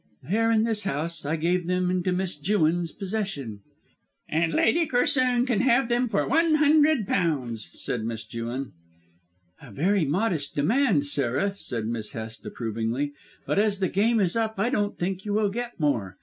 "They are in this house. I gave them into Miss Jewin's possession." "And Lady Corsoon can have them for one hundred pounds," said Miss Jewin. "A very modest demand, Sarah," said Miss Hest approvingly, "but as the game is up I don't think you will get more.